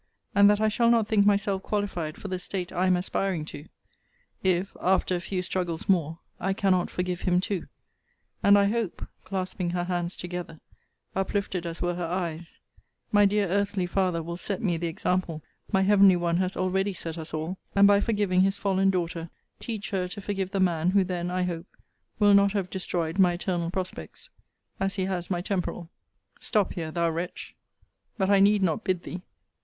] and that I shall not think myself qualified for the state I am aspiring to, if, after a few struggles more, I cannot forgive him too: and I hope, clasping her hands together, uplifted as were her eyes, my dear earthly father will set me the example my heavenly one has already set us all; and, by forgiving his fallen daughter, teach her to forgive the man, who then, I hope, will not have destroyed my eternal prospects, as he has my temporal! Stop here, thou wretch! but I need not bid thee!